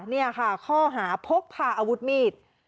นี่ค่ะข้อหาพกพาอาวุธมีด